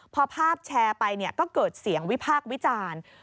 พอภาพแชร์ไปก็เกิดเสียงวิพากษ์วิจารณ์